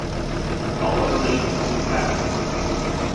All are believed to be captured.